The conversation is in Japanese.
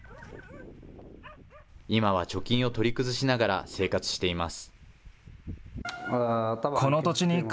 今は貯金を取り崩しながら、生活しています。